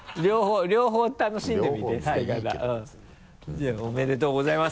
じゃあおめでとうございます。